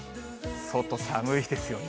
外寒いですよね。